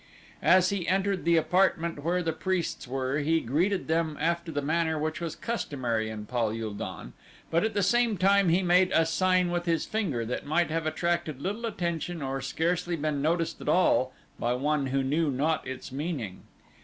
As he entered the apartment where the priests were he greeted them after the manner which was customary in Pal ul don, but at the same time he made a sign with his finger that might have attracted little attention or scarcely been noticed at all by one who knew not its meaning.